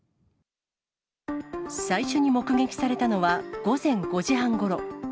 最初に目撃されたのは午前５時半ごろ。